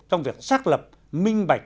trong việc xác lập minh bạch